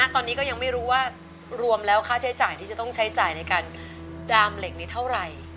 ตอนนี้ก็ยังไม่รู้ว่ารวมแล้วค่าใช้จ่ายที่จะต้องใช้จ่ายในการดามเหล็กนี้เท่าไหร่